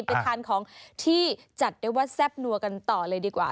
ไปทานของที่จัดได้ว่าแซ่บนัวกันต่อเลยดีกว่า